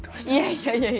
いやいや！